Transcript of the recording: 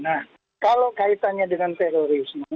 nah kalau kaitannya dengan terorisme